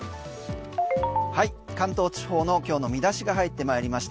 関東地方の今日の見出しが入ってまいりました